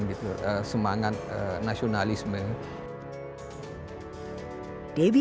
dan kebanggaan yang terjadi di negeri ini